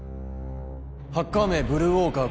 ハッカー名ブルーウォーカー